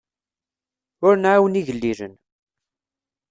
Ur nɛawen igellilen.